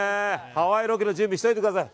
ハワイロケの準備しておいてください。